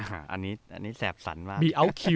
อันนี้แสบสันมาก